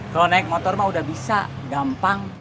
kalau naik motor mah udah bisa gampang